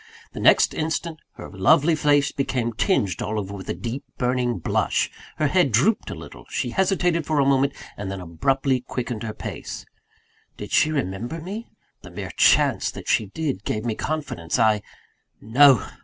The next instant, her lovely face became tinged all over with a deep, burning blush; her head drooped a little; she hesitated for a moment; and then abruptly quickened her pace. Did she remember me? The mere chance that she did, gave me confidence: I No!